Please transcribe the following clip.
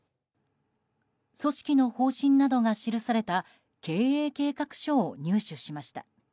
組織の方針などが記された経営計画書を入手しました。